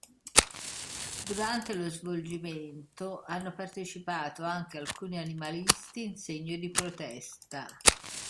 Durante lo svolgimento hanno partecipato anche alcuni animalisti in segno di protesta.